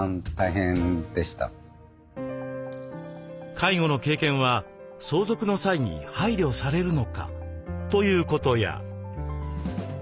介護の経験は相続の際に配慮されるのか？ということや。